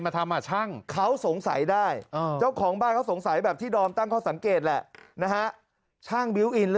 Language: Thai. มันอยู่ตรงไหน